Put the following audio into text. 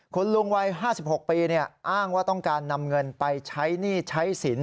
คุณลุงวัย๕๖ปีอ้างว่าต้องการนำเงินไปใช้หนี้ใช้สิน